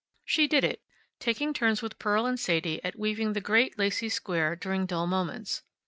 She did it, taking turns with Pearl and Sadie at weaving the great, lacy square during dull moments.